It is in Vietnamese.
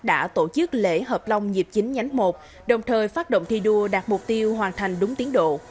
đã tổ chức lễ hợp long dịp chín nhánh một đồng thời phát động thi đua đạt mục tiêu hoàn thành đúng tiến độ